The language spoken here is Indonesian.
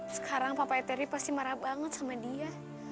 sekarang papa teri pasti marah banget sama dia